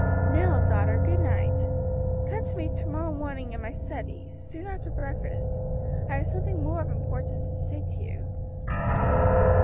"Now, daughter, good night. Come to me to morrow morning in my study, soon after breakfast, I have something more of importance to say to you."